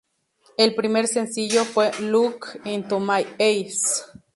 El primer sencillo fue "Look Into My Eyes".